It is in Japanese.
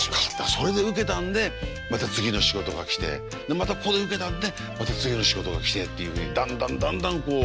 それでウケたんでまた次の仕事が来てまたここでウケたんでまた次の仕事が来てっていうふうにだんだんだんだんこう。